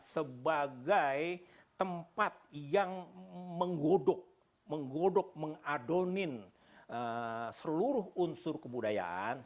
sebagai tempat yang menggodok menggodok mengadonin seluruh unsur kebudayaan